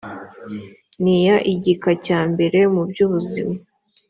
n iya igika cya mbere mubyubuzima